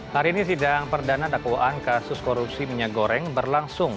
hari ini sidang perdana dakwaan kasus korupsi minyak goreng berlangsung